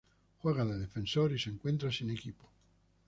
Juega de defensor y se encuentra sin equipo.